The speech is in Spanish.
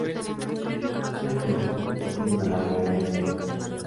Sheffield tiene una larga herencia deportiva.